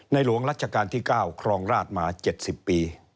หลวงรัชกาลที่๙ครองราชมา๗๐ปี